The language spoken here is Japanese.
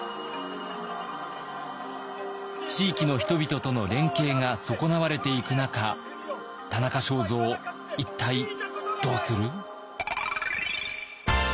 地域の人々との連携が損なわれていく中田中正造一体どうする？